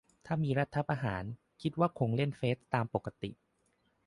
ถ้ามี รัฐประหาร คิดว่าคงเล่นเฟซตามปกติ